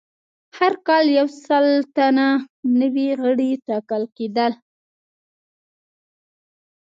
هر کال یو سل تنه نوي غړي ټاکل کېدل